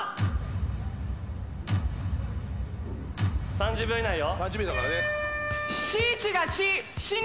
３０秒以内よ。